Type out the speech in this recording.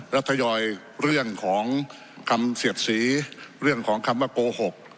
แล้วทยอยเรื่องของคำเสียดสีเรื่องของคำว่าโกหก